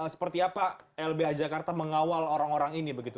seperti apa lbh jakarta mengawal orang orang ini begitu